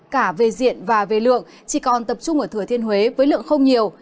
cả về diện và về lượng chỉ còn tập trung ở thừa thiên huế với lượng không nhiều